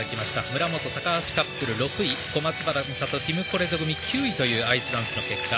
村元、高橋カップル、６位小松原美里、ティム・コレト組９位というアイスダンスの結果。